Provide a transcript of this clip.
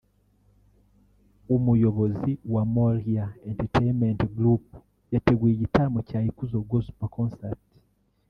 umuyobozi wa Moriah Entertainment Group yateguye igitaramo cya Ikuzo Gospel Concert